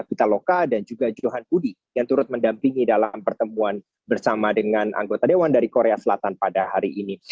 pitaloka dan juga johan budi yang turut mendampingi dalam pertemuan bersama dengan anggota dewan dari korea selatan pada hari ini